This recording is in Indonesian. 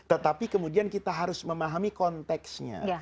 tetapi kemudian kita harus memahami konteksnya